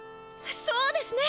そうですね！